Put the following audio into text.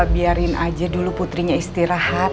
biarin aja dulu putrinya istirahat